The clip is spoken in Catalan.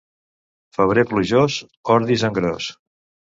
Febrer plujós, ordis en gros.